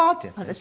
私？